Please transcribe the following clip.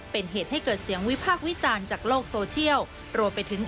เป็นเหตุให้เกิดเสียงวิพากษ์วิจารณ์จากโลกโซเชียลรวมไปถึง